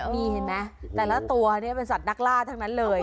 นี่เห็นไหมแต่ละตัวเป็นสัตว์นักล่าทั้งนั้นเลย